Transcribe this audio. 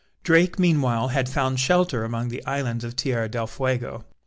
Drake, meanwhile, had found shelter among the islands of Tierra del Fuego.